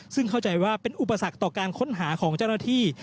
ซึ่งเข้าใจว่าเป็นอุปสรรคต่อการค้นหาของเจ้าหน้าที่